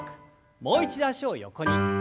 もう一度脚を横に。